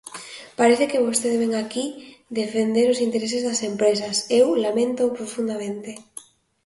Parece que vostede vén aquí defender os intereses das empresas, eu laméntoo profundamente.